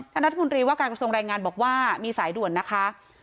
ถ้านักธรรมดีว่าการกระทรงรายงานบอกว่ามีสายด่วนนะคะ